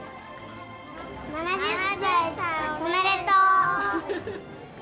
７０歳おめでとう！